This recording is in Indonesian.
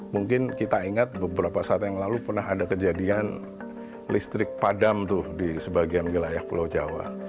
mungkin kita ingat beberapa saat yang lalu pernah ada kejadian listrik padam tuh di sebagian wilayah pulau jawa